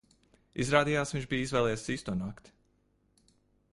Izrādījās, viņš bija izvēlējies īsto nakti.